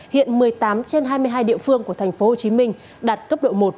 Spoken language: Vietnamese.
hiện một mươi tám trên hai mươi hai địa phương của tp hcm đạt cấp độ một